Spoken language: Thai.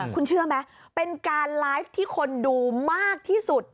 คุณเชื่อไหมเป็นการไลฟ์ที่คนดูมากที่สุด